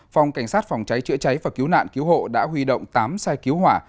phòng cảnh sát phòng cháy chữa cháy và cứu nạn cứu hộ đã huy động tám xe cứu hỏa